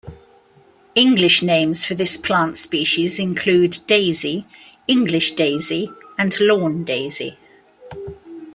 English names for this plant species include: daisy, English daisy, and lawn daisy.